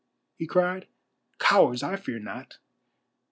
he cried. "Cowards, I fear not.